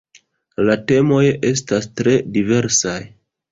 La temoj estas tre diversaj.